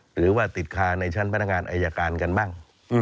หรือว่าติดคาในชั้นพนักงานอายการกันบ้าง